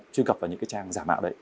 truy cập vào những cái trang giả mạo đấy